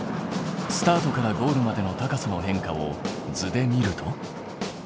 スタートからゴールまでの高さの変化を図で見ると。